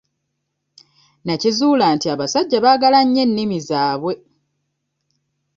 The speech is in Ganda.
Nnakizuula nti abasajja baagala nnyo ennimi zaabwe.